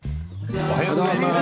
おはようございます。